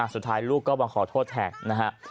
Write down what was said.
สุดท้ายลูกก็มาขอโทษแทนนะฮะ